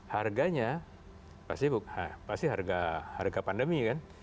harganya pasti harga pandemi kan